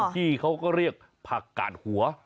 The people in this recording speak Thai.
ที่เขาก็เรียกผักกาดหัว